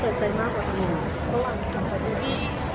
ตอนที่ต่างคุยแล้วอะไรปกติ